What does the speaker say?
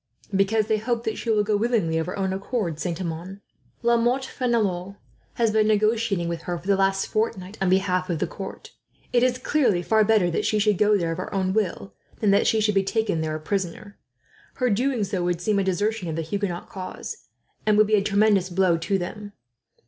"Because they hope that she will go willingly, of her own accord, Saint Amand. La Motte Fenelon has been negotiating with her, for the last fortnight, on behalf of the court. It is clearly far better that she should go there of her own will, than that she should be taken there a prisoner. Her doing so would seem a desertion of the Huguenot cause, and would be a tremendous blow to them.